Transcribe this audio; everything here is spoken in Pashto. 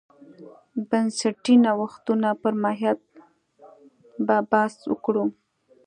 بنسټي نوښتونو پر ماهیت به بحث وکړو.